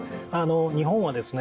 日本はですね